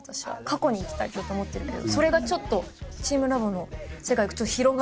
過去に行きたいと思ってるのでそれがちょっとチームラボの世界広がれば。